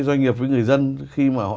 doanh nghiệp với người dân khi mà họ